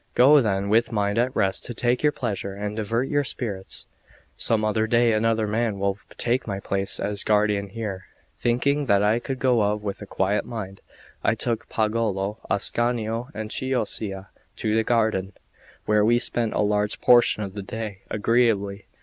Go then with mind at rest to take your pleasure and divert your spirits. Some other day another man will take my place as guardian here." Thinking that I could go of with a quiet mind, I took Pagolo, Ascanio, and Chioccia to the garden, where we spent a large portion of the day agreeably.